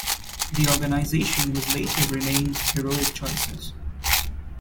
The organization was later renamed Heroic Choices.